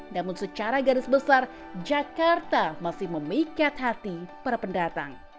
namun secara garis besar jakarta masih memikat hati para pendatang